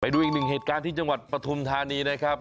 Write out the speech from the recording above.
ดูอีกหนึ่งเหตุการณ์ที่จังหวัดปฐุมธานีนะครับ